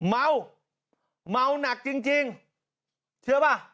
เมาเมาหนักจริงเชื่อป่ะ